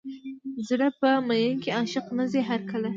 زړه په مینه کې عاشق نه ځي هر کله.